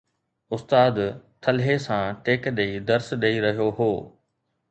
استاد ٿلهي سان ٽيڪ ڏئي درس ڏئي رهيو هو.